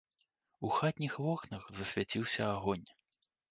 У хатніх вокнах засвяціўся агонь.